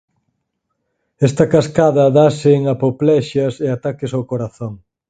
Esta cascada dáse en apoplexías e ataques ao corazón.